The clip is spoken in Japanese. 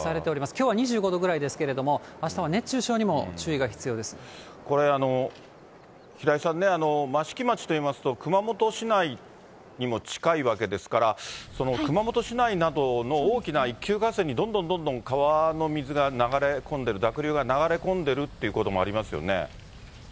きょうは２５度ぐらいですけれども、あしたは熱中症にも注意が必これ、平井さんね、益城町といいますと、熊本市内にも近いわけですから、熊本市内などの大きな一級河川にどんどんどんどん川の水が流れ込んでいる、濁流が流れ込んでるってこともありますよね。